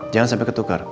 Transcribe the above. jangan sampai ketukar